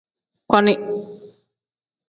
Koni.